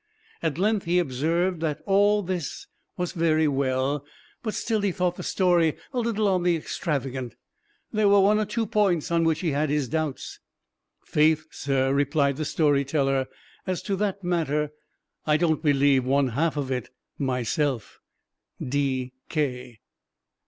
At length he observed, that all this was very well, but still he thought the story a little on the extravagant there were one or two points on which he had his doubts: "Faith, sir," replied the story teller, "as to that matter, I don't believe one half of it myself."